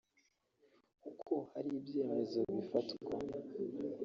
kuko hari ibyemezo bifatwa